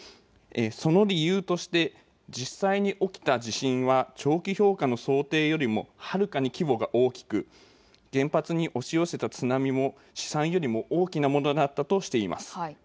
その理由として実際に起きた地震は長期評価の想定よりもはるかに規模が大きく原発に押し寄せた津波も試算よりも大きなものだったとしています。